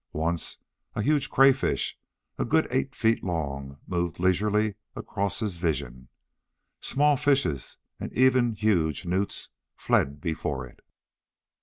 Once, a huge crayfish, a good eight feet long, moved leisurely across his vision. Small fishes and even huge newts fled before it.